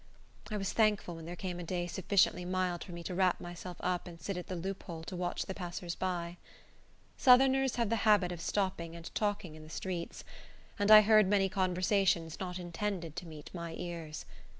I was thankful when there came a day sufficiently mild for me to wrap myself up and sit at the loophole to watch the passers by. Southerners have the habit of stopping and talking in the streets, and I heard many conversations not intended to meet my ears.